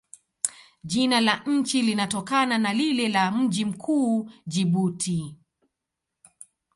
Jina la nchi linatokana na lile la mji mkuu, Jibuti.